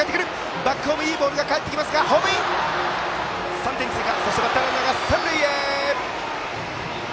３点追加そしてバッターランナーは三塁へ。